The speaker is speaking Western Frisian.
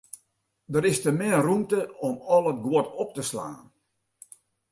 Der is te min rûmte om al it guod op te slaan.